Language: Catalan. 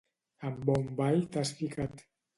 En bon ball t'has ficat.